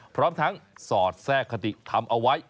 พร้อมทั้งสอดแทรกคติธรรมเอาไว้